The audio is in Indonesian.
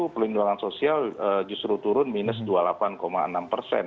dua ribu dua puluh satu pelindungan sosial justru turun minus dua puluh delapan enam persen